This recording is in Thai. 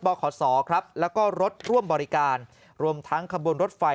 ขศครับแล้วก็รถร่วมบริการรวมทั้งขบวนรถไฟ